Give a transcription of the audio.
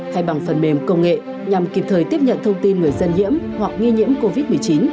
hay bằng phần mềm công nghệ nhằm kịp thời tiếp nhận thông tin người dân nhiễm hoặc nghi nhiễm covid một mươi chín